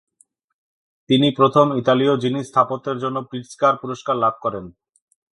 তিনি প্রথম ইতালীয় যিনি স্থাপত্যের জন্য প্রিটজকার পুরস্কার লাভ করেন।